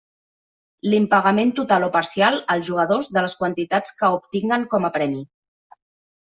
L'impagament total o parcial, als jugadors, de les quantitats que obtinguen com a premi.